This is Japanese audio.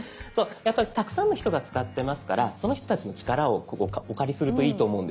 やっぱりたくさんの人が使ってますからその人たちの力をお借りするといいと思うんです。